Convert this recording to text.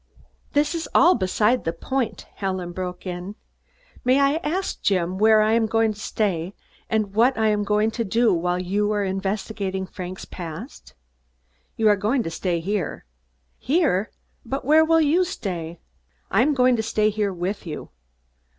"This is all beside the point," Helen broke in. "May I ask, Jim, where I am going to stay and what I am going to do while you are investigating Frank's past?" "You are going to stay here." "Here? But where will you stay?" "I am going to stay here with you."